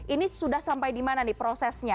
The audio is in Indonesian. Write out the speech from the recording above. ini sudah sampai di mana nih prosesnya